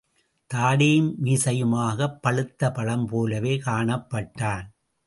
தாடியும் மீசையுமாக பழுத்த பழம்போலவே காணப்பட்டான்.